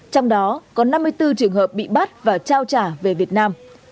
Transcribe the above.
trong đó có năm mươi bốn trường hợp bị bắt và trao trả về việt nam